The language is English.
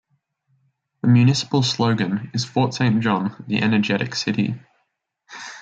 The municipal slogan is "Fort Saint John: The Energetic City".